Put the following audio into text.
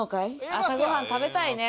朝ごはん食べたいね